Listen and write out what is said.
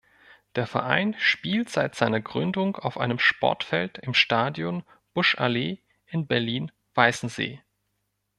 Der Verein spielt seit seiner Gründung auf einem Sportfeld im Stadion Buschallee in Berlin-Weißensee.